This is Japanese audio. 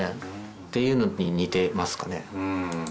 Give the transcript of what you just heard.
っていうのに似てますかね。